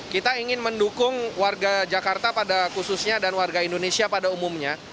kita ingin mendukung warga jakarta pada khususnya dan warga indonesia pada umumnya